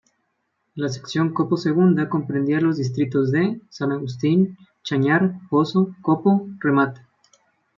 La Sección Copo Segunda comprendía los distritos de: San Agustín, Chañar, Pozo, Copo, Remate.